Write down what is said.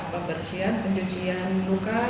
pembersihan pencucian luka